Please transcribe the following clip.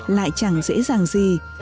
lại chẳng dễ dàng gì